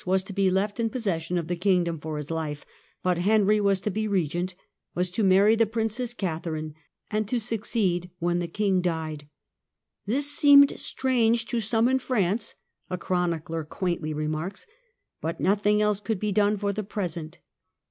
was to be left in possession of the Kingdom for his life, but Henry was to be Eegent, was to marry the Princess Catherine and to succeed when the King died. " This seemed strange to some in France," a chronicler quaintly remarks, " but nothing else could be done for the present."